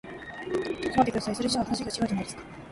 ちょっと待ってください。それじゃ話が違うじゃないですか。